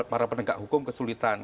para penegak hukum kesulitan